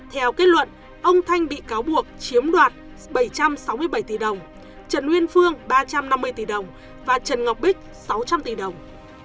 theo kết luận ông thanh bị cáo buộc chiếm đoạt bảy trăm sáu mươi bảy tỷ đồng trần nguyên phương ba trăm năm mươi tỷ đồng và trần ngọc bích sáu trăm linh tỷ đồng